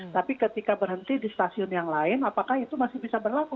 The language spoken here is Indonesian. tapi ketika berhenti di stasiun yang lain apakah itu masih bisa berlaku